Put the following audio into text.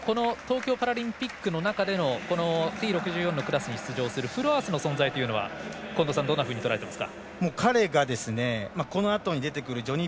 東京パラリンピックの中でのこのＴ６４のクラスに出場するフロアスの存在というのはどんなふうにとらえていますか？